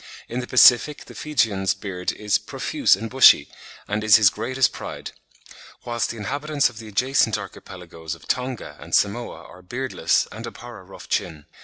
In the Pacific the Fijian's beard is "profuse and bushy, and is his greatest pride"; whilst the inhabitants of the adjacent archipelagoes of Tonga and Samoa are "beardless, and abhor a rough chin."